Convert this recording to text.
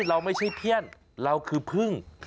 เราไม่ใช่เพื่อนเราคือพึ่ง